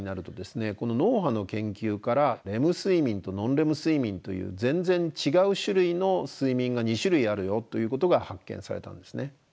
脳波の研究からレム睡眠とノンレム睡眠という全然違う種類の睡眠が２種類あるよということが発見されたんですね。